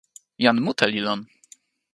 jan mute li lon!